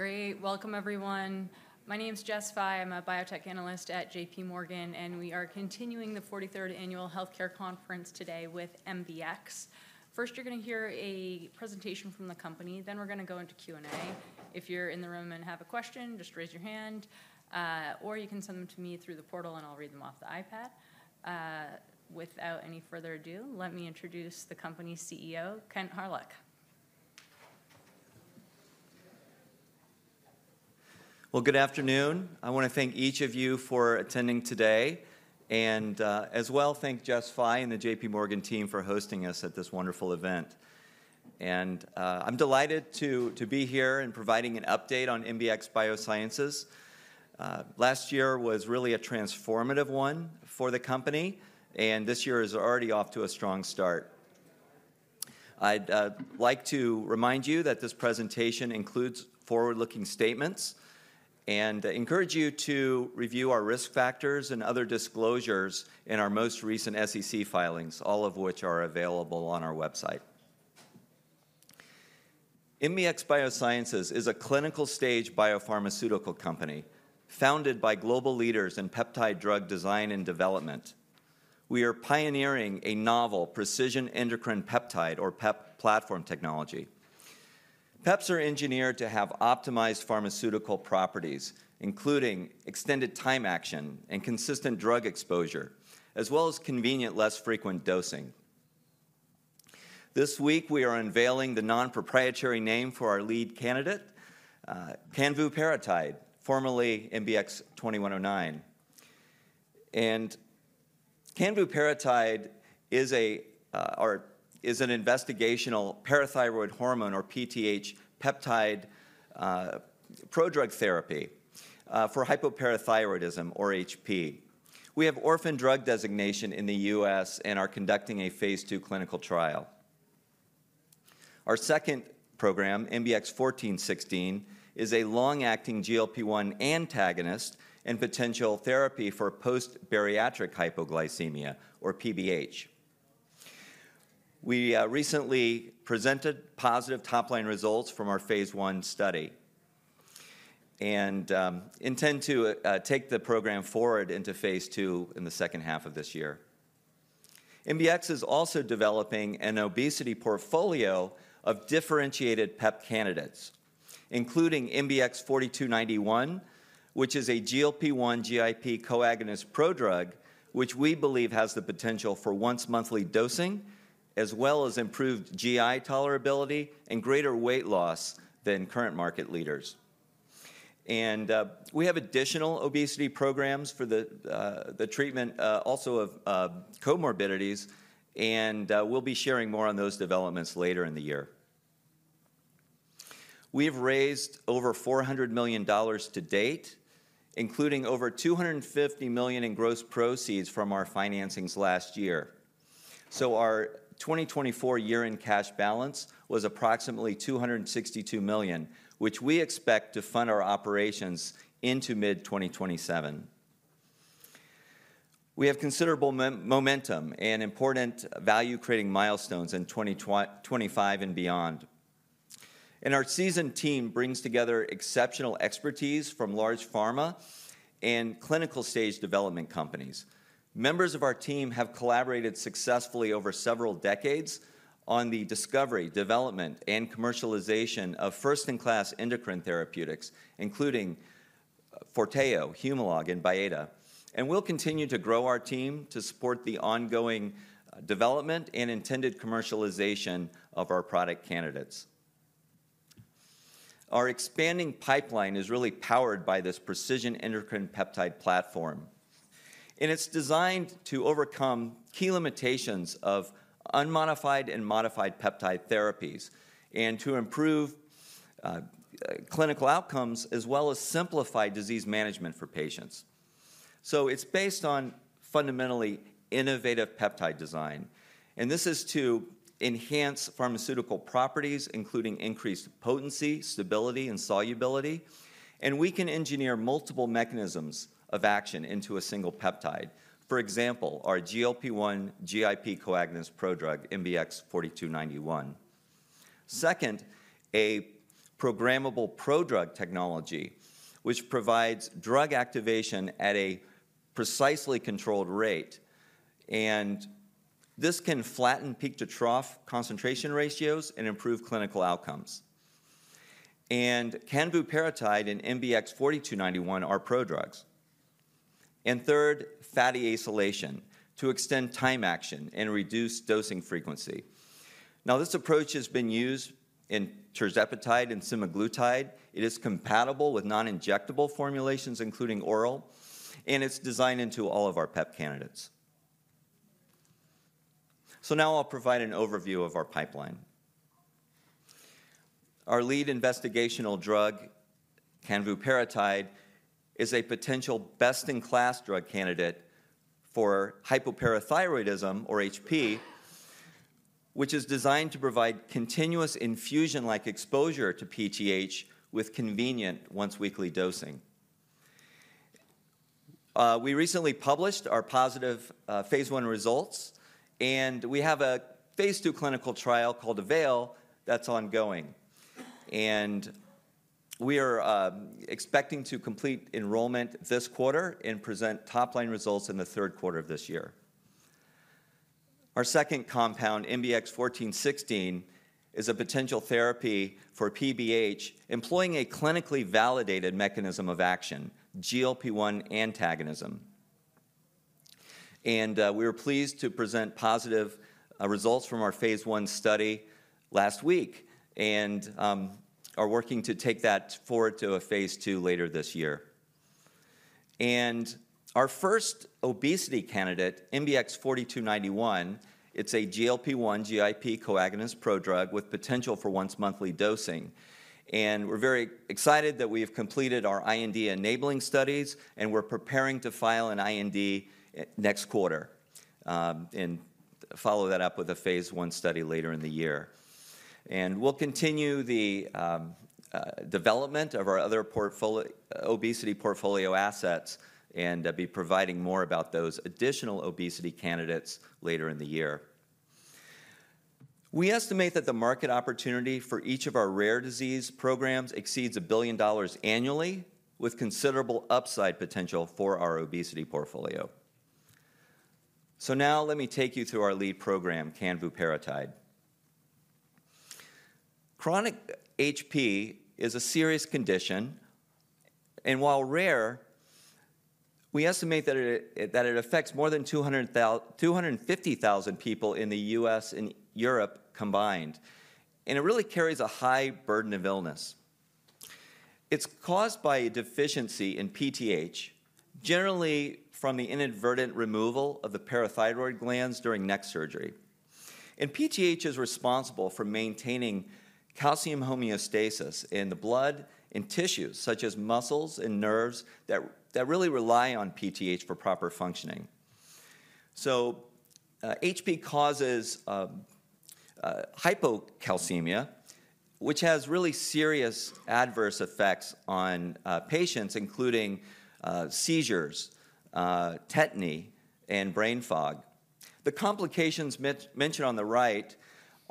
Great. Welcome, everyone. My name's Jess Fye. I'm a biotech analyst at J.P. Morgan, and we are continuing the 43rd Annual Healthcare Conference today with MBX. First, you're going to hear a presentation from the company. Then we're going to go into Q&A. If you're in the room and have a question, just raise your hand, or you can send them to me through the portal, and I'll read them off the iPad. Without any further ado, let me introduce the company's CEO, Kent Hawryluk. Good afternoon. I want to thank each of you for attending today, and as well, thank Jess Fye and the J.P. Morgan team for hosting us at this wonderful event, and I'm delighted to be here and providing an update on MBX Biosciences. Last year was really a transformative one for the company, and this year is already off to a strong start. I'd like to remind you that this presentation includes forward-looking statements and encourage you to review our risk factors and other disclosures in our most recent SEC filings, all of which are available on our website. MBX Biosciences is a clinical-stage biopharmaceutical company founded by global leaders in peptide drug design and development. We are pioneering a novel precision endocrine peptide, or PEP, platform technology. PEPs are engineered to have optimized pharmaceutical properties, including extended time action and consistent drug exposure, as well as convenient, less frequent dosing. This week, we are unveiling the non-proprietary name for our lead candidate, canvuparatide, formerly MBX 2109. Canvuparatide is an investigational parathyroid hormone, or PTH, peptide prodrug therapy for hypoparathyroidism, or HP. We have orphan drug designation in the U.S. and are conducting a phase II clinical trial. Our second program, MBX 1416, is a long-acting GLP-1 antagonist and potential therapy for post-bariatric hypoglycemia, or PBH. We recently presented positive top-line results from our phase I study and intend to take the program forward into phase II in the second half of this year. MBX is also developing an obesity portfolio of differentiated PEP candidates, including MBX 4291, which is a GLP-1/GIP co-agonist prodrug, which we believe has the potential for once-monthly dosing, as well as improved GI tolerability and greater weight loss than current market leaders, and we have additional obesity programs for the treatment also of comorbidities, and we'll be sharing more on those developments later in the year. We have raised over $400 million to date, including over $250 million in gross proceeds from our financings last year, so our 2024 year-end cash balance was approximately $262 million, which we expect to fund our operations into mid-2027. We have considerable momentum and important value-creating milestones in 2025 and beyond, and our seasoned team brings together exceptional expertise from large pharma and clinical-stage development companies. Members of our team have collaborated successfully over several decades on the discovery, development, and commercialization of first-in-class endocrine therapeutics, including Forteo, Humalog, and Byetta, and we'll continue to grow our team to support the ongoing development and intended commercialization of our product candidates. Our expanding pipeline is really powered by this precision endocrine peptide platform, and it's designed to overcome key limitations of unmodified and modified peptide therapies and to improve clinical outcomes, as well as simplify disease management for patients, so it's based on fundamentally innovative peptide design, and this is to enhance pharmaceutical properties, including increased potency, stability, and solubility, and we can engineer multiple mechanisms of action into a single peptide. For example, our GLP-1 GIP co-agonist prodrug, MBX 4291. Second, a programmable prodrug technology, which provides drug activation at a precisely controlled rate, and this can flatten peak-to-trough concentration ratios and improve clinical outcomes. Canvuparatide and MBX 4291 are prodrugs. Third, fatty acylation to extend time action and reduce dosing frequency. Now, this approach has been used in tirzepatide and semaglutide. It is compatible with non-injectable formulations, including oral. And it's designed into all of our PEP candidates. Now I'll provide an overview of our pipeline. Our lead investigational drug, canvuparatide, is a potential best-in-class drug candidate for hypoparathyroidism, or HP, which is designed to provide continuous infusion-like exposure to PTH with convenient once-weekly dosing. We recently published our positive phase I results, and we have a phase II clinical trial called AVAIL that's ongoing. We are expecting to complete enrollment this quarter and present top-line results in the third quarter of this year. Our second compound, MBX 1416, is a potential therapy for PBH, employing a clinically validated mechanism of action, GLP-1 antagonism. We are pleased to present positive results from our phase I study last week and are working to take that forward to a phase II later this year. And our first obesity candidate, MBX 4291, it's a GLP-1/GIP co-agonist prodrug with potential for once-monthly dosing. And we're very excited that we have completed our IND-enabling studies, and we're preparing to file an IND next quarter and follow that up with a phase I study later in the year. And we'll continue the development of our other obesity portfolio assets and be providing more about those additional obesity candidates later in the year. We estimate that the market opportunity for each of our rare disease programs exceeds $1 billion annually, with considerable upside potential for our obesity portfolio. So now let me take you through our lead program, canvuparatide. Chronic HP is a serious condition. While rare, we estimate that it affects more than 250,000 people in the U.S. and Europe combined. It really carries a high burden of illness. It's caused by a deficiency in PTH, generally from the inadvertent removal of the parathyroid glands during neck surgery. PTH is responsible for maintaining calcium homeostasis in the blood and tissues, such as muscles and nerves that really rely on PTH for proper functioning. HP causes hypocalcemia, which has really serious adverse effects on patients, including seizures, tetany, and brain fog. The complications mentioned on the right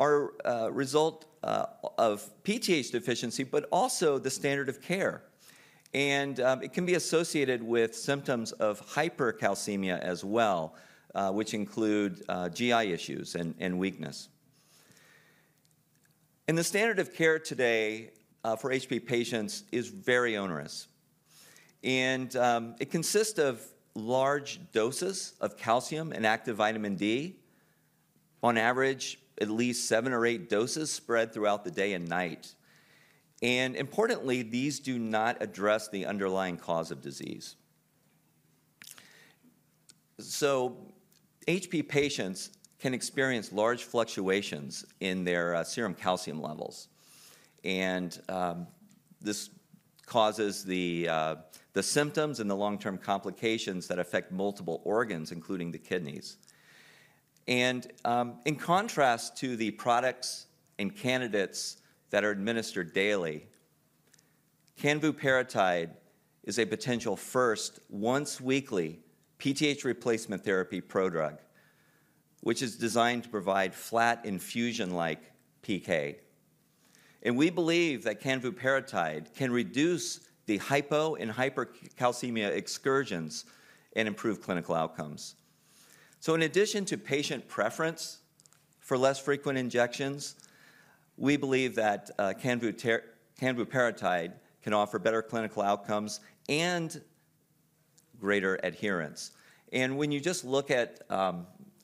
result from PTH deficiency, but also the standard of care. It can be associated with symptoms of hypercalcemia as well, which include GI issues and weakness. The standard of care today for HP patients is very onerous. And it consists of large doses of calcium and active vitamin D, on average, at least seven or eight doses spread throughout the day and night. And importantly, these do not address the underlying cause of disease. So HP patients can experience large fluctuations in their serum calcium levels. And this causes the symptoms and the long-term complications that affect multiple organs, including the kidneys. And in contrast to the products and candidates that are administered daily, canvuparatide is a potential first once-weekly PTH replacement therapy prodrug, which is designed to provide flat infusion-like PK. And we believe that canvuparatide can reduce the hypo and hypercalcemia excursions and improve clinical outcomes. So in addition to patient preference for less frequent injections, we believe that canvuparatide can offer better clinical outcomes and greater adherence. And when you just look at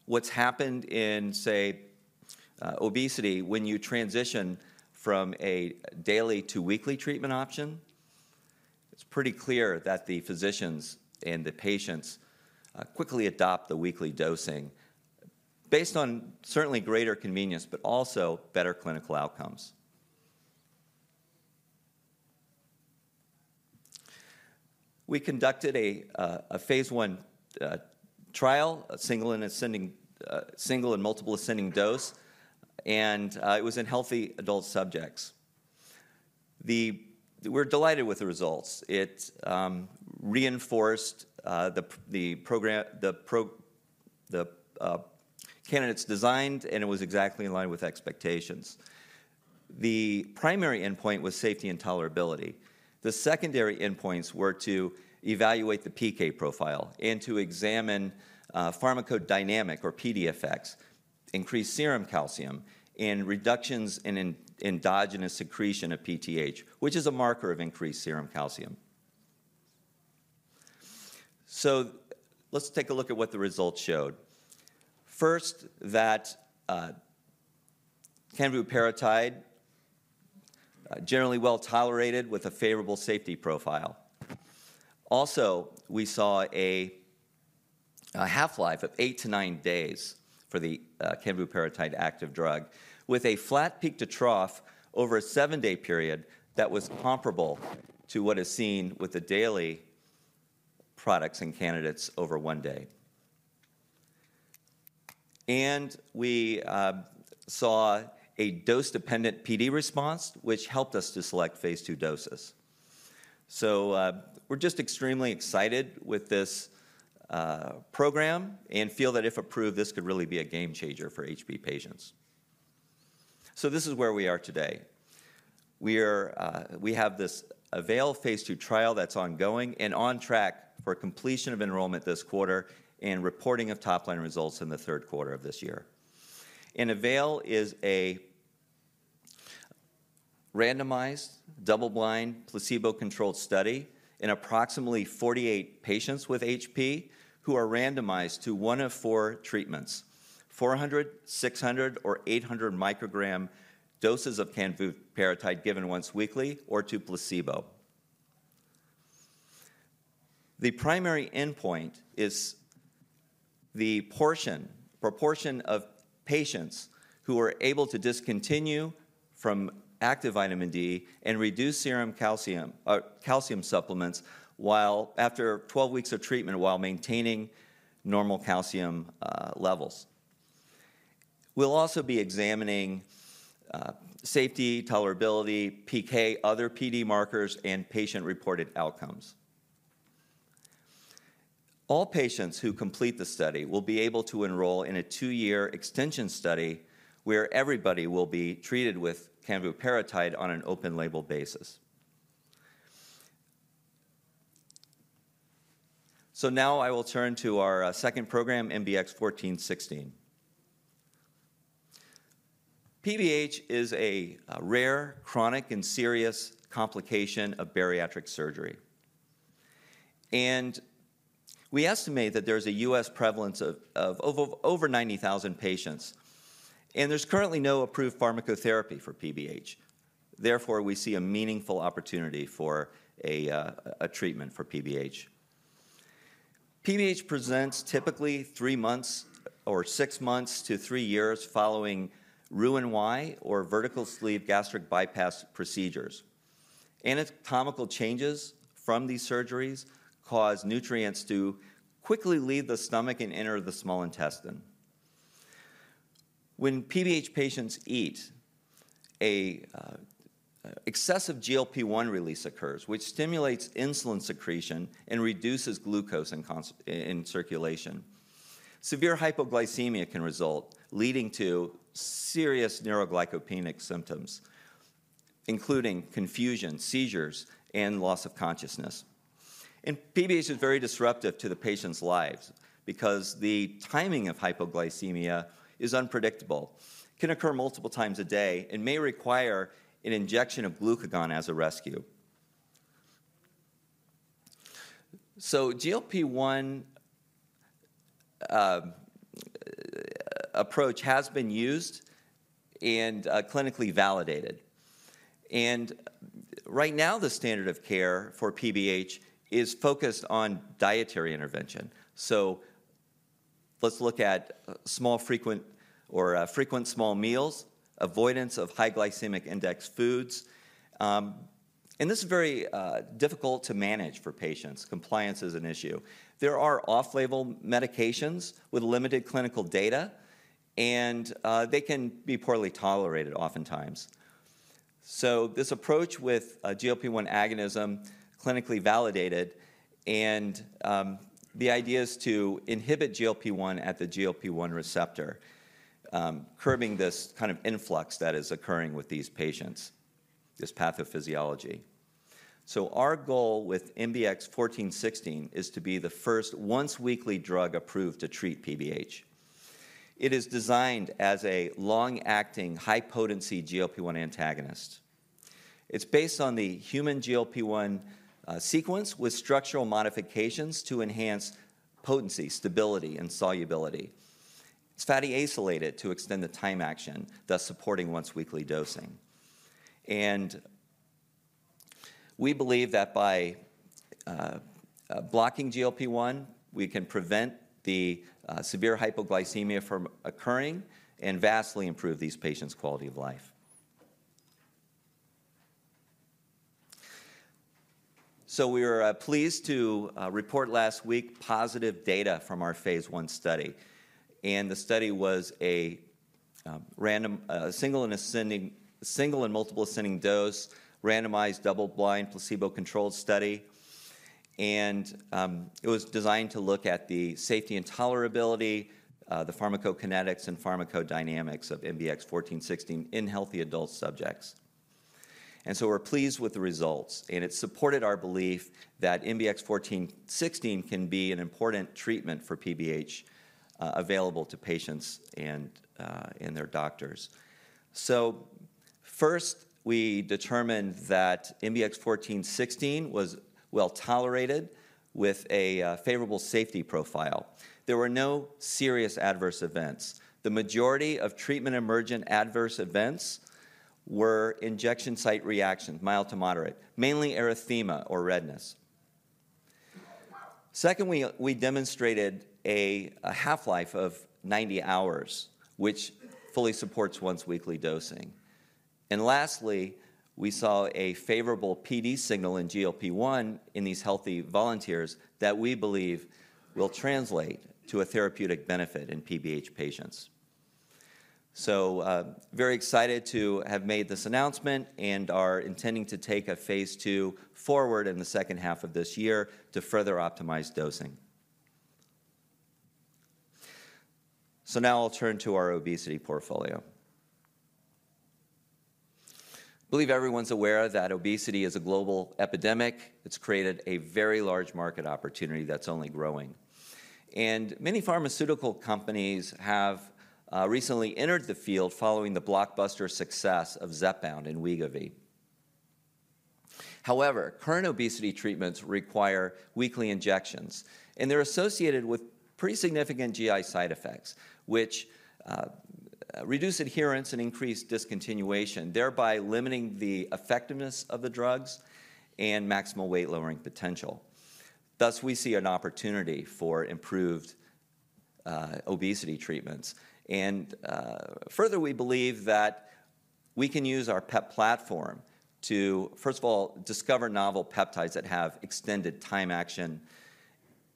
what's happened in, say, obesity, when you transition from a daily to weekly treatment option, it's pretty clear that the physicians and the patients quickly adopt the weekly dosing based on certainly greater convenience, but also better clinical outcomes. We conducted a phase I trial, a single and multiple ascending dose, and it was in healthy adult subjects. We're delighted with the results. It reinforced the candidates designed, and it was exactly in line with expectations. The primary endpoint was safety and tolerability. The secondary endpoints were to evaluate the PK profile and to examine pharmacodynamics, or PD, increased serum calcium and reductions in endogenous secretion of PTH, which is a marker of increased serum calcium. So let's take a look at what the results showed. First, that canvuparatide generally well tolerated with a favorable safety profile. Also, we saw a half-life of eight to nine days for the canvuparatide active drug, with a flat peak-to-trough over a seven-day period that was comparable to what is seen with the daily products and candidates over one day, and we saw a dose-dependent PD response, which helped us to select phase II doses, so we're just extremely excited with this program and feel that if approved, this could really be a game changer for HP patients, so this is where we are today. We have this AVAIL phase II trial that's ongoing and on track for completion of enrollment this quarter and reporting of top-line results in the third quarter of this year. AVAIL is a randomized, double-blind, placebo-controlled study in approximately 48 patients with HP who are randomized to one of four treatments: 400, 600, or 800 microgram doses of canvuparatide given once weekly or to placebo. The primary endpoint is the proportion of patients who are able to discontinue from active vitamin D and reduce serum calcium supplements after 12 weeks of treatment while maintaining normal calcium levels. We'll also be examining safety, tolerability, PK, other PD markers, and patient-reported outcomes. All patients who complete the study will be able to enroll in a two-year extension study where everybody will be treated with canvuparatide on an open-label basis. Now I will turn to our second program, MBX 1416. PBH is a rare, chronic, and serious complication of bariatric surgery. We estimate that there's a U.S. prevalence of over 90,000 patients. There's currently no approved pharmacotherapy for PBH. Therefore, we see a meaningful opportunity for a treatment for PBH. PBH presents typically three months or six months to three years following Roux-en-Y or vertical sleeve gastric bypass procedures. Anatomical changes from these surgeries cause nutrients to quickly leave the stomach and enter the small intestine. When PBH patients eat, an excessive GLP-1 release occurs, which stimulates insulin secretion and reduces glucose in circulation. Severe hypoglycemia can result, leading to serious neuroglycopenic symptoms, including confusion, seizures, and loss of consciousness. PBH is very disruptive to the patient's lives because the timing of hypoglycemia is unpredictable, can occur multiple times a day, and may require an injection of glucagon as a rescue. GLP-1 approach has been used and clinically validated. Right now, the standard of care for PBH is focused on dietary intervention. So, let's look at small frequent or frequent small meals, avoidance of high glycemic index foods. And this is very difficult to manage for patients. Compliance is an issue. There are off-label medications with limited clinical data, and they can be poorly tolerated oftentimes. So, this approach with GLP-1 agonism clinically validated, and the idea is to inhibit GLP-1 at the GLP-1 receptor, curbing this kind of influx that is occurring with these patients, this pathophysiology. So, our goal with MBX 1416 is to be the first once-weekly drug approved to treat PBH. It is designed as a long-acting, high-potency GLP-1 antagonist. It's based on the human GLP-1 sequence with structural modifications to enhance potency, stability, and solubility. It's fatty acylated to extend the time action, thus supporting once-weekly dosing. We believe that by blocking GLP-1, we can prevent the severe hypoglycemia from occurring and vastly improve these patients' quality of life. We were pleased to report last week positive data from our phase I study. The study was a single and multiple ascending dose, randomized, double-blind, placebo-controlled study. It was designed to look at the safety and tolerability, the pharmacokinetics, and pharmacodynamics of MBX 1416 in healthy adult subjects. We're pleased with the results. It supported our belief that MBX 1416 can be an important treatment for PBH available to patients and their doctors. First, we determined that MBX 1416 was well tolerated with a favorable safety profile. There were no serious adverse events. The majority of treatment-emergent adverse events were injection site reactions, mild to moderate, mainly erythema or redness. Second, we demonstrated a half-life of 90 hours, which fully supports once-weekly dosing. And lastly, we saw a favorable PD signal in GLP-1 in these healthy volunteers that we believe will translate to a therapeutic benefit in PBH patients. So very excited to have made this announcement and are intending to take a phase II forward in the second half of this year to further optimize dosing. So now I'll turn to our obesity portfolio. I believe everyone's aware that obesity is a global epidemic. It's created a very large market opportunity that's only growing. And many pharmaceutical companies have recently entered the field following the blockbuster success of Zepbound and Wegovy. However, current obesity treatments require weekly injections. And they're associated with pretty significant GI side effects, which reduce adherence and increase discontinuation, thereby limiting the effectiveness of the drugs and maximal weight-lowering potential. Thus, we see an opportunity for improved obesity treatments, and further, we believe that we can use our PEP platform to, first of all, discover novel peptides that have extended time action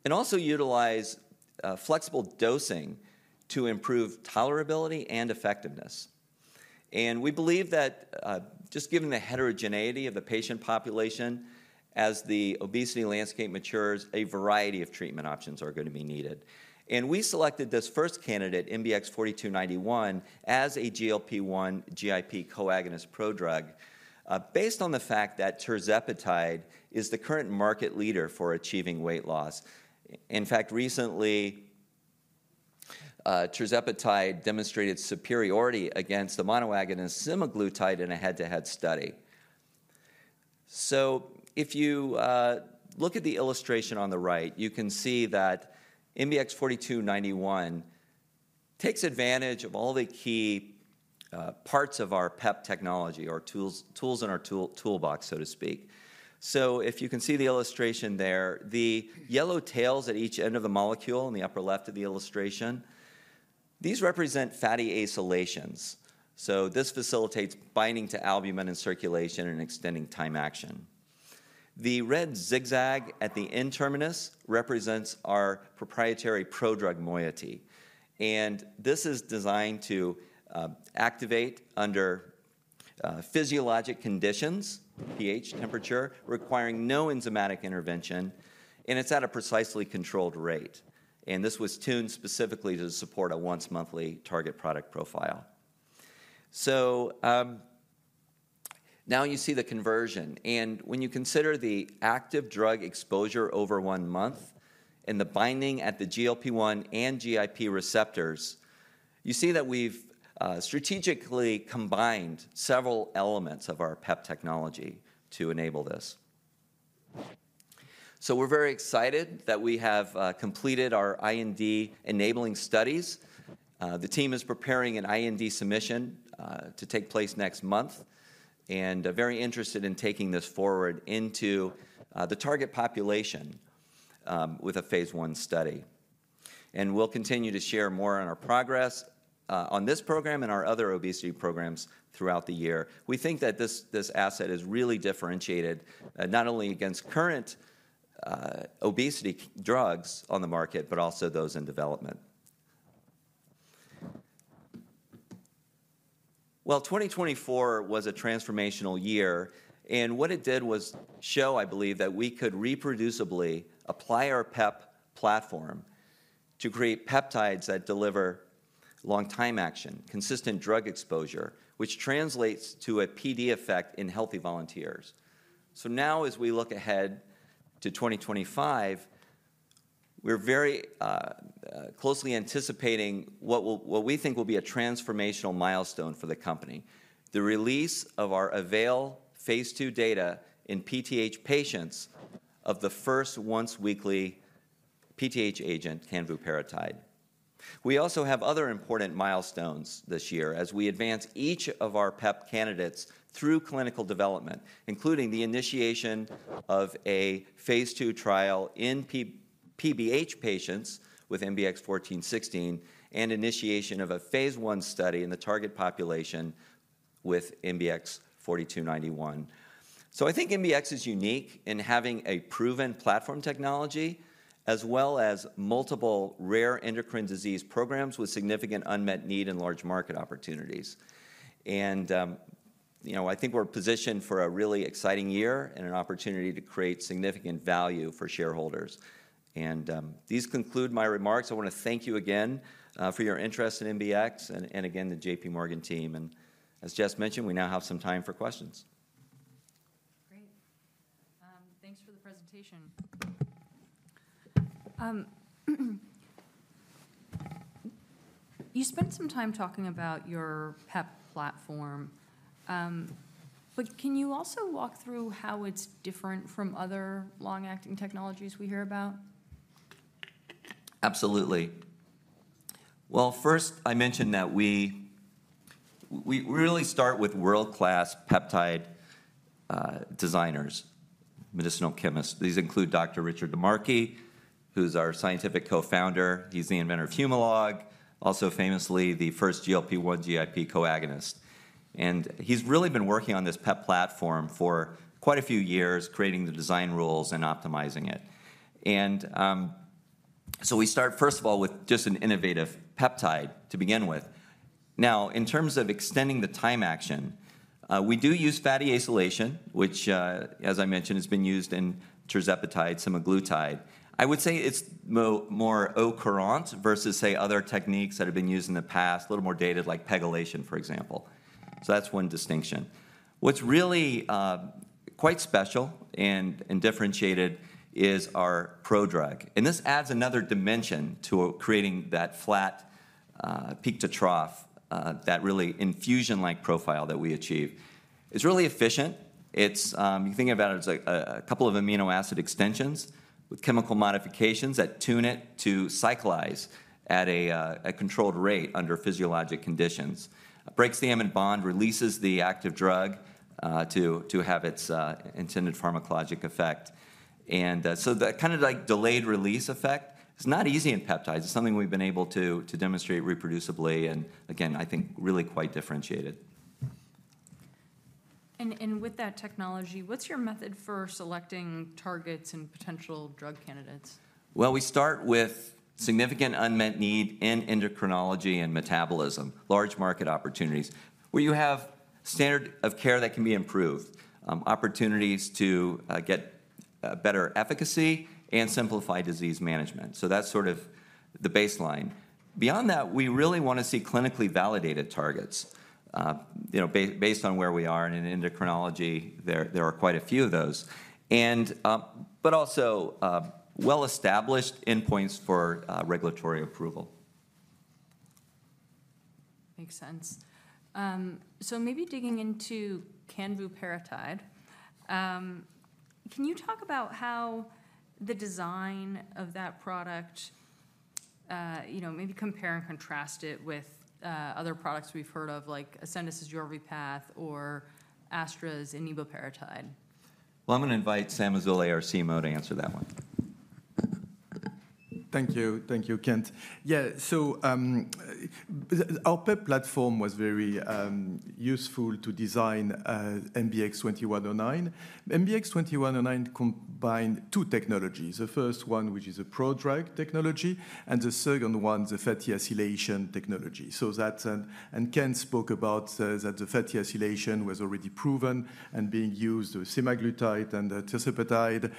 and also utilize flexible dosing to improve tolerability and effectiveness, and we believe that just given the heterogeneity of the patient population as the obesity landscape matures, a variety of treatment options are going to be needed. And we selected this first candidate, MBX 4291, as a GLP-1 GIP coagonist prodrug based on the fact that tirzepatide is the current market leader for achieving weight loss. In fact, recently, tirzepatide demonstrated superiority against the monoagonist semaglutide in a head-to-head study, so if you look at the illustration on the right, you can see that MBX 4291 takes advantage of all the key parts of our PEP technology or tools in our toolbox, so to speak. So if you can see the illustration there, the yellow tails at each end of the molecule in the upper left of the illustration, these represent fatty acylations. So this facilitates binding to albumin and circulation and extending time action. The red zigzag at the N-terminus represents our proprietary prodrug moiety. And this is designed to activate under physiologic conditions, pH, temperature, requiring no enzymatic intervention. And it's at a precisely controlled rate. And this was tuned specifically to support a once-monthly target product profile. So now you see the conversion. And when you consider the active drug exposure over one month and the binding at the GLP-1 and GIP receptors, you see that we've strategically combined several elements of our PEP technology to enable this. So we're very excited that we have completed our IND-enabling studies. The team is preparing an IND submission to take place next month and very interested in taking this forward into the target population with a phase I study. And we'll continue to share more on our progress on this program and our other obesity programs throughout the year. We think that this asset is really differentiated not only against current obesity drugs on the market, but also those in development. Well, 2024 was a transformational year. And what it did was show, I believe, that we could reproducibly apply our PEP platform to create peptides that deliver long-time action, consistent drug exposure, which translates to a PD effect in healthy volunteers. So now, as we look ahead to 2025, we're very closely anticipating what we think will be a transformational milestone for the company: the release of our AVAIL phase II data in PTH patients of the first once-weekly PTH agent, canvuparatide. We also have other important milestones this year as we advance each of our PEP candidates through clinical development, including the initiation of a phase 2 trial in PBH patients with MBX 1416 and initiation of a phase I study in the target population with MBX 4291. I think MBX is unique in having a proven platform technology as well as multiple rare endocrine disease programs with significant unmet need and large market opportunities. I think we're positioned for a really exciting year and an opportunity to create significant value for shareholders. These conclude my remarks. I want to thank you again for your interest in MBX and, again, the J.P. Morgan team. And as Jess mentioned, we now have some time for questions. Great. Thanks for the presentation. You spent some time talking about your PEP platform. But can you also walk through how it's different from other long-acting technologies we hear about? Absolutely. Well, first, I mentioned that we really start with world-class peptide designers, medicinal chemists. These include Dr. Richard DiMarchi, who's our scientific co-founder. He's the inventor of Humalog, also famously the first GLP-1 GIP coagonist, and he's really been working on this PEP platform for quite a few years, creating the design rules and optimizing it, and so we start, first of all, with just an innovative peptide to begin with. Now, in terms of extending the time action, we do use fatty acylation, which, as I mentioned, has been used in tirzepatide, semaglutide. I would say it's more elegant versus, say, other techniques that have been used in the past, a little more dated, like pegylation, for example, so that's one distinction. What's really quite special and differentiated is our prodrug, and this adds another dimension to creating that flat peak-to-trough, that really infusion-like profile that we achieve. It's really efficient. You think about it as a couple of amino acid extensions with chemical modifications that tune it to cyclize at a controlled rate under physiologic conditions. It breaks the amide bond, releases the active drug to have its intended pharmacologic effect. And so that kind of delayed release effect is not easy in peptides. It's something we've been able to demonstrate reproducibly and, again, I think really quite differentiated. With that technology, what's your method for selecting targets and potential drug candidates? We start with significant unmet need in endocrinology and metabolism, large market opportunities where you have standard of care that can be improved, opportunities to get better efficacy, and simplify disease management. That's sort of the baseline. Beyond that, we really want to see clinically validated targets based on where we are. In endocrinology, there are quite a few of those, but also well-established endpoints for regulatory approval. Makes sense. So maybe digging into canvuparatide, can you talk about how the design of that product, maybe compare and contrast it with other products we've heard of, like Ascendis's Yorvipath or Astra's eneboparatide? I'm going to invite Sam Azoulay, our CMO, to answer that one. Thank you. Thank you, Kent. Yeah. So our PEP platform was very useful to design MBX 2109. MBX 2109 combined two technologies: the first one, which is a prodrug technology, and the second one, the fatty acylation technology. And Kent spoke about that the fatty acylation was already proven and being used with semaglutide and tirzepatide.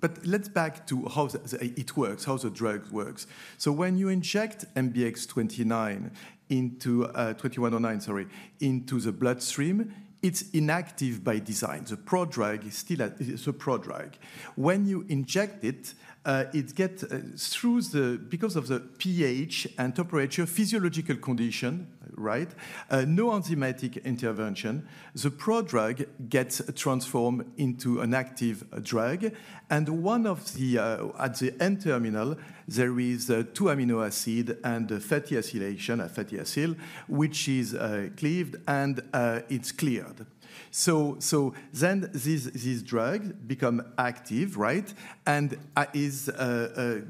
But let's back to how it works, how the drug works. So when you inject MBX 2109 into the bloodstream, it's inactive by design. The prodrug is still a prodrug. When you inject it, it gets through because of the pH and temperature physiological condition, right? No enzymatic intervention. The prodrug gets transformed into an active drug. And one of the at the N-terminal, there is two amino acids and the fatty acylation, a fatty acyl, which is cleaved, and it's cleared. So then these drugs become active, right? It is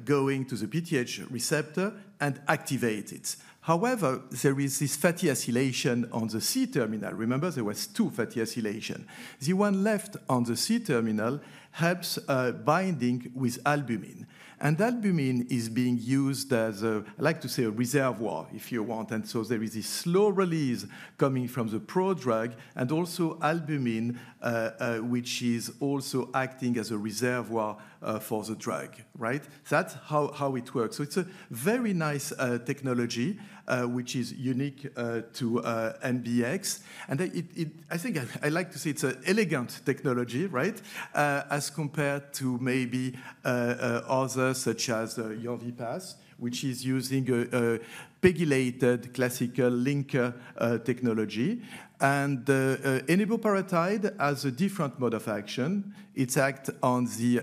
going to the PTH receptor and activates it. However, there is this fatty acylation on the C-terminal. Remember, there were two fatty acylations. The one left on the C-terminal helps binding with albumin. And albumin is being used as, I like to say, a reservoir, if you want. And so there is this slow release coming from the pro-drug and also albumin, which is also acting as a reservoir for the drug, right? That's how it works. So it's a very nice technology, which is unique to MBX. And I think I like to say it's an elegant technology, right, as compared to maybe others such as Yorvipath, which is using a pegylated classical linker technology. And eneboparatide has a different mode of action. It acts on the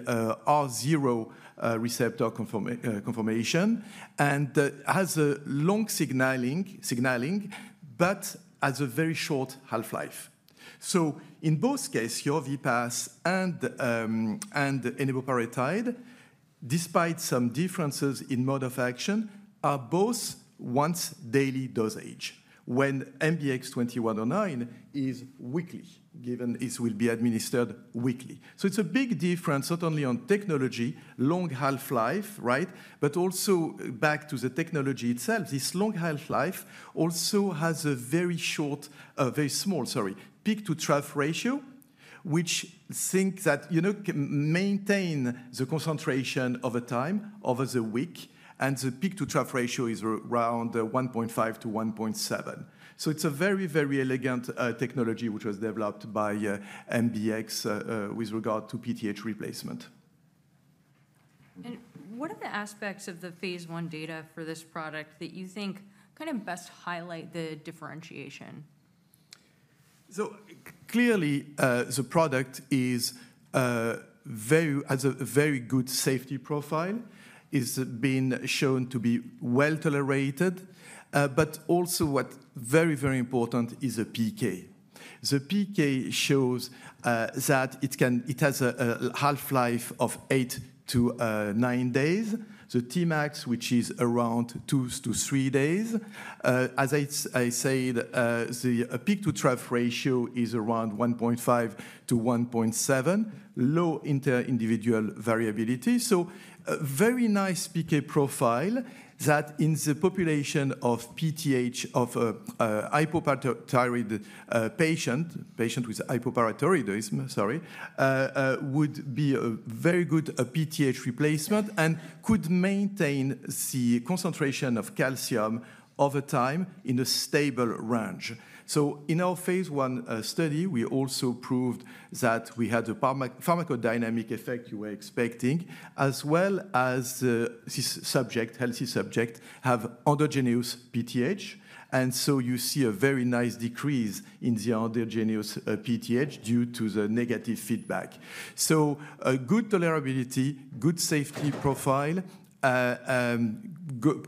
R0 receptor conformation and has a long signaling, but has a very short half-life. So in both cases, Yorvipath and eneboparatide, despite some differences in mode of action, are both once-daily dosage when MBX 2109 is weekly, given it will be administered weekly. So it's a big difference, not only on technology, long half-life, right? But also back to the technology itself, this long half-life also has a very short, very small, sorry, peak-to-trough ratio, which thinks that maintain the concentration over time, over the week. And the peak-to-trough ratio is around 1.5-1.7. So it's a very, very elegant technology, which was developed by MBX with regard to PTH replacement. What are the aspects of the phase I data for this product that you think kind of best highlight the differentiation? So clearly, the product has a very good safety profile, is being shown to be well tolerated. But also, what's very, very important is the PK. The PK shows that it has a half-life of eight to nine days, the Tmax, which is around two to three days. As I said, the peak-to-trough ratio is around 1.5-1.7, low inter-individual variability. So a very nice PK profile that in the population of PTH of a hypoparathyroid patient, patient with hypoparathyroidism, sorry, would be a very good PTH replacement and could maintain the concentration of calcium over time in a stable range. So in our phase I study, we also proved that we had a pharmacodynamic effect you were expecting, as well as this subject, healthy subject, have endogenous PTH. And so you see a very nice decrease in the endogenous PTH due to the negative feedback. So a good tolerability, good safety profile,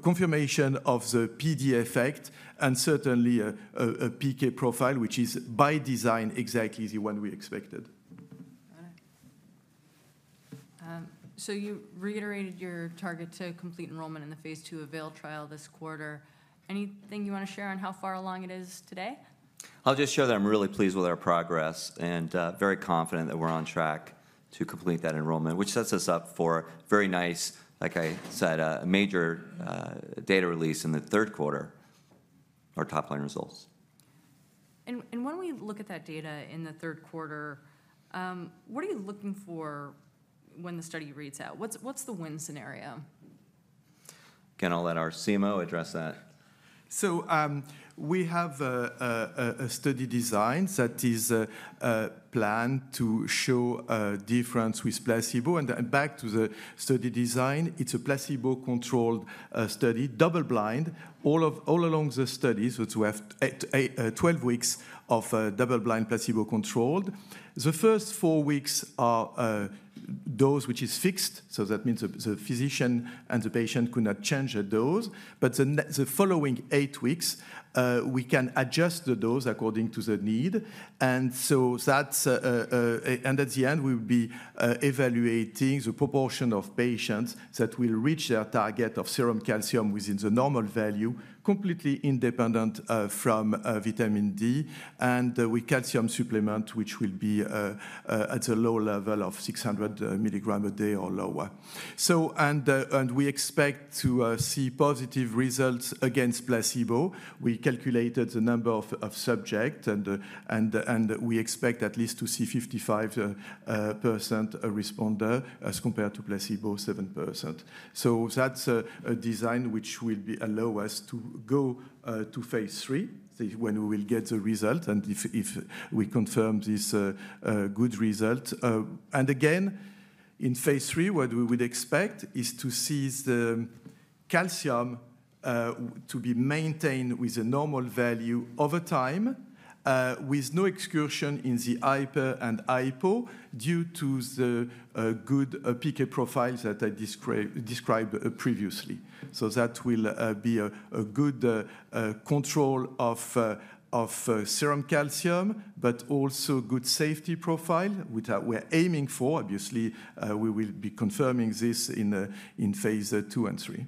confirmation of the PD effect, and certainly a PK profile, which is by design exactly the one we expected. Got it. So you reiterated your target to complete enrollment in the phase II AVAIL trial this quarter. Anything you want to share on how far along it is today? I'll just show that I'm really pleased with our progress and very confident that we're on track to complete that enrollment, which sets us up for very nice, like I said, a major data release in the third quarter, our top-line results. When we look at that data in the third quarter, what are you looking for when the study reads out? What's the win scenario? Can I let our CMO address that? So we have a study design that is planned to show a difference with placebo. And back to the study design, it's a placebo-controlled study, double-blind, all along the study. So it's worth 12 weeks of double-blind placebo-controlled. The first four weeks are dose which is fixed. So that means the physician and the patient could not change the dose. But the following eight weeks, we can adjust the dose according to the need. And so that's, at the end, we will be evaluating the proportion of patients that will reach their target of serum calcium within the normal value, completely independent from vitamin D, and with calcium supplement, which will be at a low level of 600 mg a day or lower. And we expect to see positive results against placebo. We calculated the number of subjects, and we expect at least to see 55% responder as compared to placebo, 7%, so that's a design which will allow us to go to phase III when we will get the result and if we confirm this good result, and again, in phase III, what we would expect is to see the calcium to be maintained with a normal value over time with no excursion in the hyper and hypo due to the good PK profiles that I described previously. So that will be a good control of serum calcium, but also good safety profile, which we're aiming for. Obviously, we will be confirming this in phase II and III.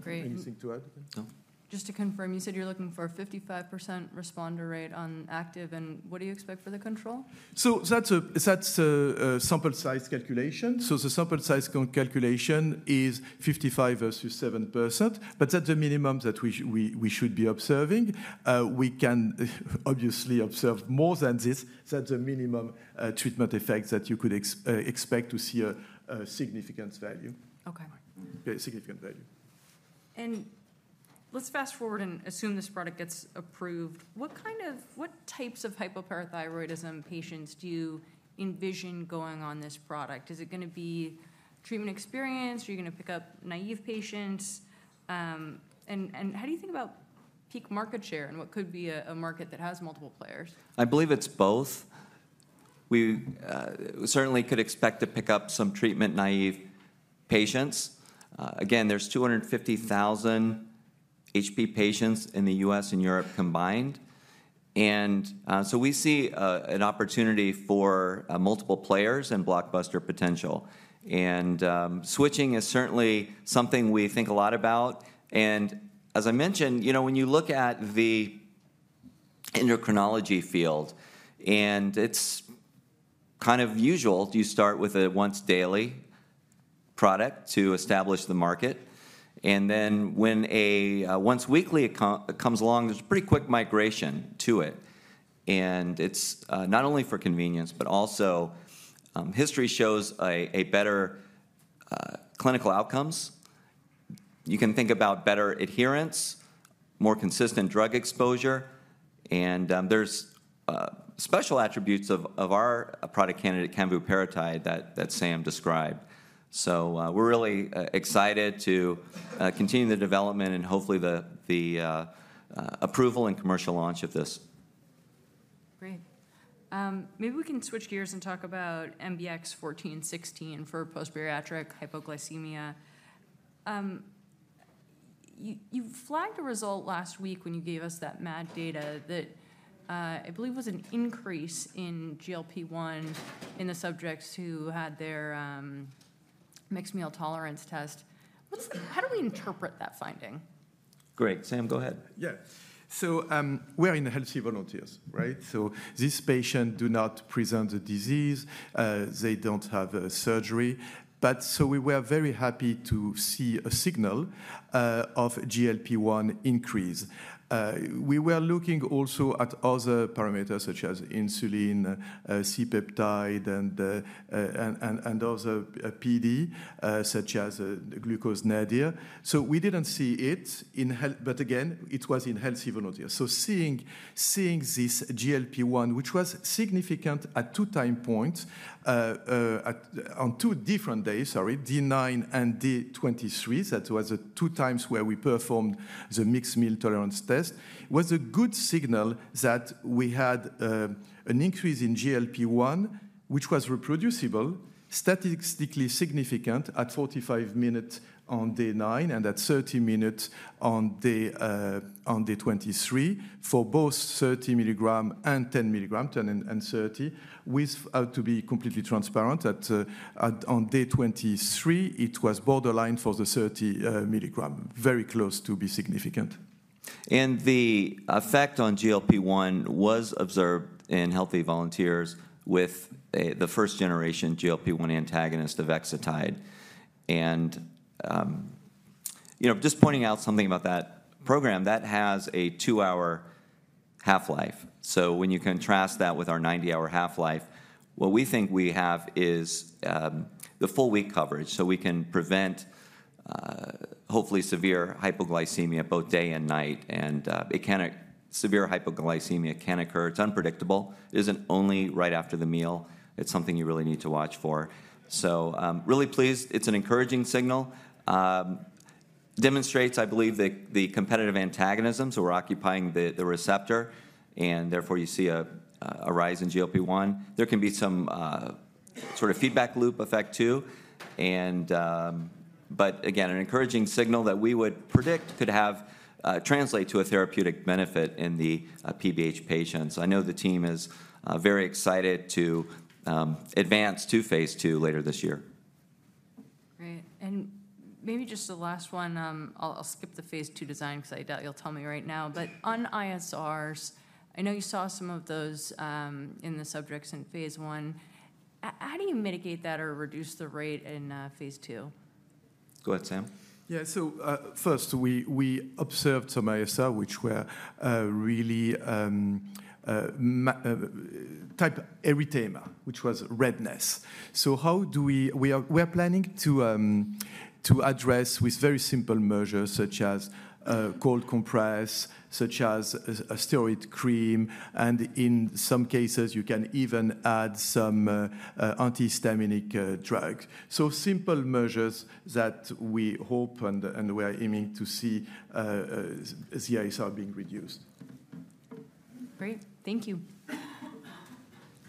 Great. Anything to add? No. Just to confirm, you said you're looking for a 55% responder rate on active. And what do you expect for the control? So that's a sample size calculation. So the sample size calculation is 55 versus 7%. But that's the minimum that we should be observing. We can obviously observe more than this. That's the minimum treatment effect that you could expect to see a significant value. Okay. Significant value. Let's fast forward and assume this product gets approved. What kind of types of hypoparathyroidism patients do you envision going on this product? Is it going to be treatment experienced? Are you going to pick up naive patients? How do you think about peak market share and what could be a market that has multiple players? I believe it's both. We certainly could expect to pick up some treatment-naive patients. Again, there's 250,000 HP patients in the US and Europe combined. And so we see an opportunity for multiple players and blockbuster potential. And switching is certainly something we think a lot about. And as I mentioned, when you look at the endocrinology field, and it's kind of usual to start with a once-daily product to establish the market. And then when a once-weekly comes along, there's a pretty quick migration to it. And it's not only for convenience, but also history shows better clinical outcomes. You can think about better adherence, more consistent drug exposure. And there's special attributes of our product candidate, canvuparatide, that Sam described. So we're really excited to continue the development and hopefully the approval and commercial launch of this. Great. Maybe we can switch gears and talk about MBX 1416 for post-bariatric hypoglycemia. You flagged a result last week when you gave us that MAD data that I believe was an increase in GLP-1 in the subjects who had their mixed meal tolerance test. How do we interpret that finding? Great. Sam, go ahead. Yeah. So we're in the healthy volunteers, right? So these patients do not present a disease. They don't have surgery. But so we were very happy to see a signal of GLP-1 increase. We were looking also at other parameters such as insulin, C-peptide, and other PD such as glucose nadir. So we didn't see it in health, but again, it was in healthy volunteers. Seeing this GLP-1, which was significant at two time points on two different days, sorry, D9 and D23, that was the two times where we performed the mixed meal tolerance test, was a good signal that we had an increase in GLP-1, which was reproducible, statistically significant at 45 minutes on D9 and at 30 minutes on D23 for both 30 mg and 10 mg, 10 and 30. But to be completely transparent that on D23, it was borderline for the 30 mg, very close to be significant. And the effect on GLP-1 was observed in healthy volunteers with the first-generation GLP-1 antagonist avexitide. And just pointing out something about that program, that has a two-hour half-life. So when you contrast that with our 90-hour half-life, what we think we have is the full week coverage. So we can prevent hopefully severe hypoglycemia both day and night. And severe hypoglycemia can occur. It's unpredictable. It isn't only right after the meal. It's something you really need to watch for. So really pleased, it's an encouraging signal. Demonstrates, I believe, the competitive antagonism. So we're occupying the receptor, and therefore you see a rise in GLP-1. There can be some sort of feedback loop effect too. But again, an encouraging signal that we would predict could translate to a therapeutic benefit in the PBH patients. I know the team is very excited to advance to phase II later this year. Great. And maybe just the last one. I'll skip the phase II design because I doubt you'll tell me right now. But on ISRs, I know you saw some of those in the subjects in phase I. How do you mitigate that or reduce the rate in phase II? Go ahead, Sam. Yeah. So first, we observed some ISR, which were really type erythema, which was redness. So, we are planning to address with very simple measures such as cold compress, such as a steroid cream. And in some cases, you can even add some antihistaminic drugs. So simple measures that we hope and we are aiming to see as the ISR being reduced. Great. Thank you.